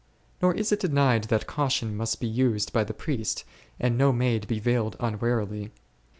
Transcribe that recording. Nor is it denied that caution must be used by the priest, and no maid be veiled unwarily.